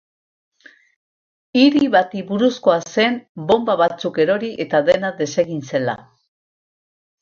Hiri bati buruzkoa zen, bonba batzuk erori eta dena desegin zela.